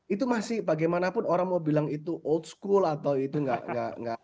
itu masih bagaimanapun orang mau bilang itu old school atau itu nggak